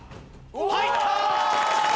入ったー！